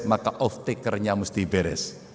maka off takernya mesti beres